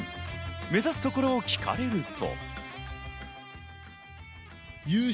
目指すところを聞かれると。